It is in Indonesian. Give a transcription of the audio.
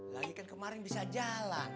lagi kan kemarin bisa jalan